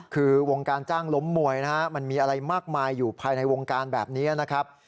คือวงการจ้างล้มมวยนะฮะมันมีอะไรมากมายอยู่ภายในวงการแบบนี้นะครับ